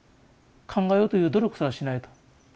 考えようという努力すらしないと。